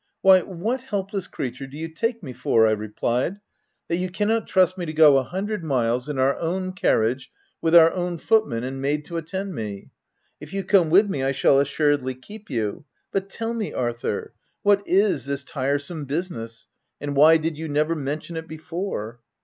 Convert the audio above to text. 11 Why, what helpless creature do you take me for, ,r I replied, u that you cannot trust me to go a hundred miles in our own carriage with our own footman and maid to attend me ? If you come with me I shall assuredly keep you. But tell me, Arthur, what is this tiresome business ; and why did you never mention it before